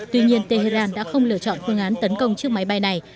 tuy nhiên tehran đã không lựa chọn phương án tấn công chiếc máy bay này